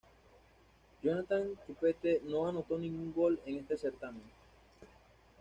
Jonathan Copete no anotó ningún gol en este certamen.